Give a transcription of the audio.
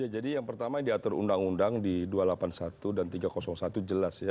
jadi yang pertama diatur undang undang di dua ratus delapan puluh satu dan tiga ratus satu jelas ya